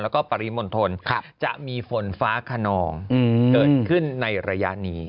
แล้วก็ปริมณฑลจะมีฝนฟ้าขนองเกิดขึ้นในระยะนี้